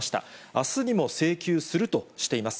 あすにも請求するとしています。